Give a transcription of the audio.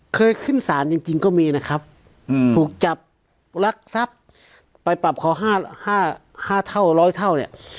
ขึ้นศาลจริงก็มีนะครับถูกจับรักทรัพย์ไปปรับเขา๕เท่าร้อยเท่าเนี่ย